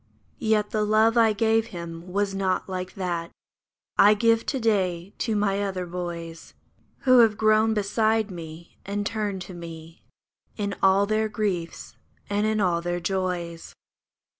Yet the love I gave him was not like that I give to day to my other boys. Who have grown beside me, and turned to me In all their griefs and in all their joys.